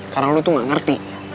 karena lo tuh enggak ngerti